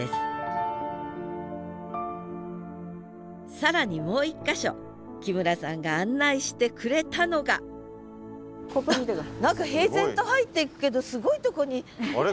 更にもう一か所木村さんが案内してくれたのが何か平然と入っていくけどすごいとこに。